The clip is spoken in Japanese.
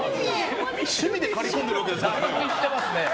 趣味で刈り込んでるわけですか。